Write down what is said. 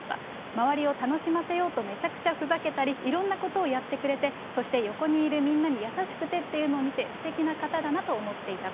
周りを楽しませようと、めちゃくちゃふざけたり、いろんなことをやってくれて、そして横にいるみんなに優しくてっていうのを見て、本当にすてきな方だなと思っていたと。